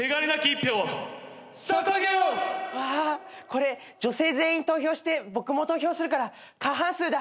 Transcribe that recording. これ女性全員投票して僕も投票するから過半数だ。